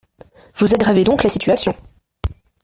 Vous aggravez donc la situation.